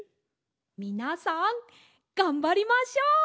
みなさんがんばりましょう！